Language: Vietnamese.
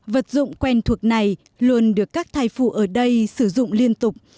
vật dụng quen thuộc này luôn được các thai phụ ở đây sử dụng liên tục